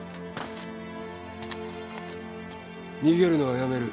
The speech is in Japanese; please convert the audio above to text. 逃げるのはやめる。